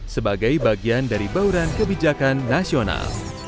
sebagai bagian dari bauran kebijakan nasional